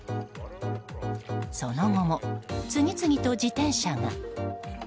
その後も次々と自転車が。